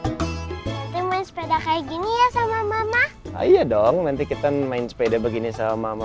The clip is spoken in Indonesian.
nanti main sepeda kayak gini ya sama mama ayo dong nanti kita main sepeda begini sama mama